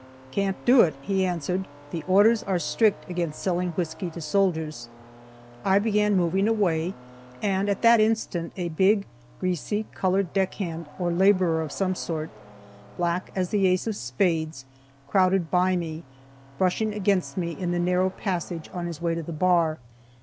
"Can't do it," he answered, "the orders are strict against selling whisky to soldiers." I began moving away, and at that instant a big, greasy, colored deck hand, or laborer of some sort, black as the ace of spades, crowded by me, brushing against me in the narrow passage on his way to the bar.